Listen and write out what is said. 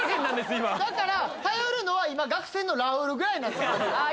今頼るのは今学生のラウールぐらいなんですよ